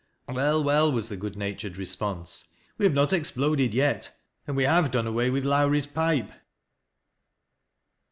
" Well, well," was the good natured response ;" we have not exploded yet ; and we have done away with liOwrie's pipe."